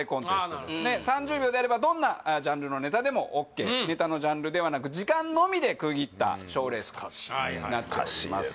あなるほど３０秒であればどんなジャンルのネタでもＯＫネタのジャンルではなく時間のみで区切った賞レースとなっております